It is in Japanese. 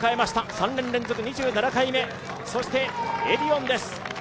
３年連続２７回目そしてエディオンです。